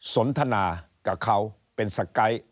สนทนากับเขาเป็นสไกด์